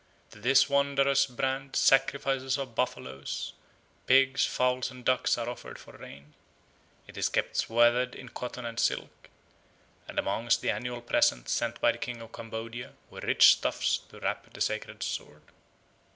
To this wondrous brand sacrifices of buffaloes, pigs, fowls, and ducks are offered for rain. It is kept swathed in cotton and silk; and amongst the annual presents sent by the King of Cambodia were rich stuffs to wrap the sacred sword.